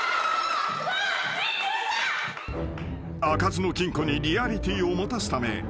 ［開かずの金庫にリアリティーを持たすため